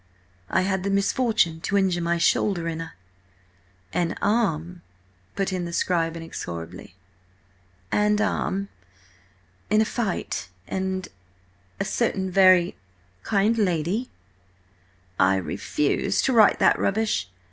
'I had the misfortune to injure my shoulder in a—" "'And arm,'" put in the scribe, inexorably. "'And arm, in a fight ... and a certain very ... kind lady—'" "I refuse to write that rubbish!